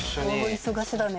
大忙しだね。